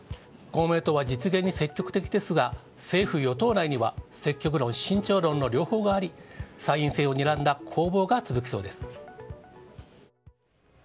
公明党は実現に積極的ですが、政府・与党内には積極論、慎重論の両方があり、参院選をにらんだ攻防が続きそうです。